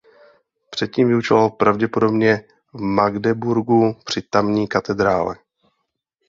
Předtím vyučoval pravděpodobně v Magdeburgu při tamní katedrále.